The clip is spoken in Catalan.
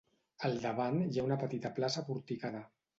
Al davant hi ha una petita plaça porticada.